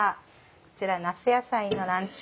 こちら那須野菜のランチ